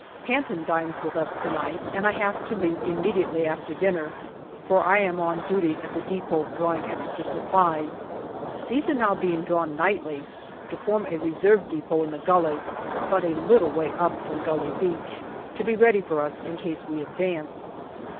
Panton dines with us to night, but I have to leave im mediately after dinner, for I am again on duty at the depot 180 AUGUST 181 drawing extra supplies. These are now being drawn nightly, to form a reserve depot in the gully, but a little way up from Gully Beach, to be ready for us in case we advance.